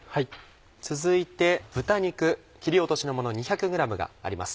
続いて豚肉切り落としのもの２００ｇがあります。